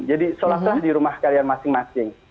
jadi sholatlah di rumah kalian masing masing